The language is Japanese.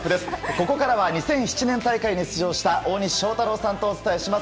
ここからは２００７年大会に出場した大西将太朗さんとお伝えします。